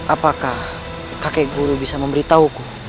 apakah kakek guru bisa memberitahuku